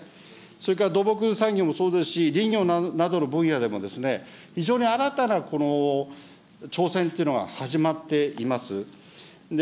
それから土木産業もそうですし、林業などの分野でも、非常に新たな挑戦というのが始まっています。